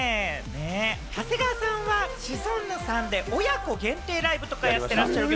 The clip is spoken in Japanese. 長谷川さんはシソンヌさんって、親子限定ライブとかやってらっしゃる？